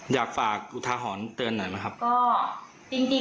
อยากฝากอุทาหรณ์เตือนหน่อยไหมครับ